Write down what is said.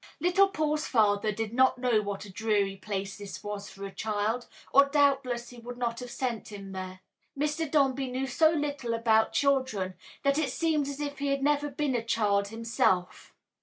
Little Paul's father did not know what a dreary place this was for a child, or doubtless he would not have sent him there. Mr. Dombey knew so little about children that it seemed as if he had never been a child himself.